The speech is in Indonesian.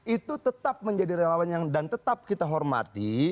itu tetap menjadi relawan dan tetap kita hormati